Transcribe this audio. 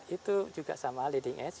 itu juga sama leading as